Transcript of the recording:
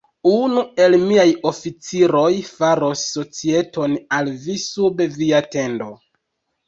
Unu el miaj oficiroj faros societon al vi sub via tendo.